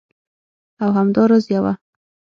او همدا راز یوه